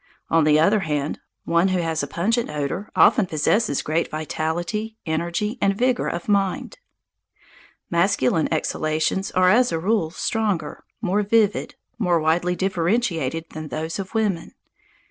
On the other hand, one who has a pungent odour often possesses great vitality, energy, and vigour of mind. Masculine exhalations are as a rule stronger, more vivid, more widely differentiated than those of women.